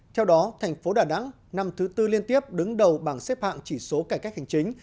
theo đó thành phố đà nẵng năm thứ tư liên tiếp đứng đầu bảng xếp hạng chỉ số cải cách hành chính